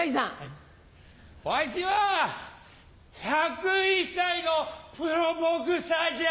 わしは１０１歳のプロボクサーじゃ。